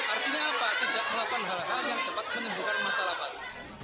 artinya apa tidak melakukan hal hal yang cepat menimbulkan masalah baru